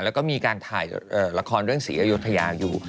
แล้วก็มีการถ่ายละครเรื่องศรีอยุธยาอยู่